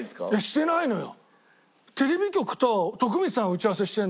してないのよ。